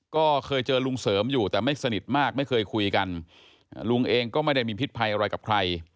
ก็เคยเจอลุงเสริมอยู่แต่ไม่สนิทมากไม่เคยคุยกันลุงเองก็ไม่ได้มีพิษภัยอะไรกับใคร